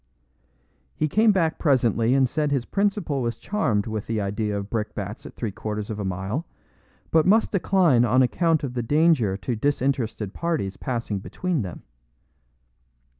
He came back presently and said his principal was charmed with the idea of brickbats at three quarters of a mile, but must decline on account of the danger to disinterested parties passing between them.